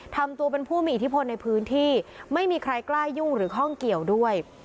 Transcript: ทำตัวเป็นผู้มีอิทธิพลในพื้นที่ไม่มีใครกล้ายุ่งหรือข้องเกี่ยวด้วย